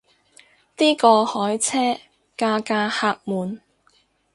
啲過海車架架客滿